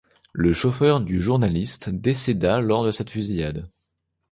Le chauffeur du journaliste décéda lors de cette fusillade.